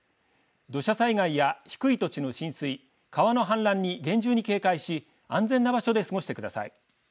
土砂災害や低い土地の浸水川の氾濫に厳重に警戒し安全な場所で過ごしてください。